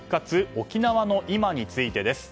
沖縄のいまについてです。